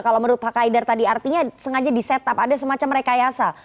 kalau menurut pak haidar tadi artinya sengaja di set up ada semacam rekayasa